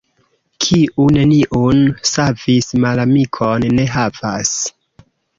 Kiu neniun savis, malamikon ne havas.